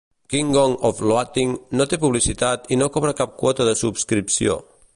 "Kingdom of Loathing" no té publicitat i no cobra cap quota de subscripció.